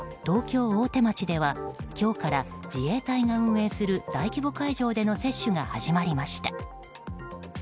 東京・大手町では今日から自衛隊が運営する大規模会場での接種が始まりました。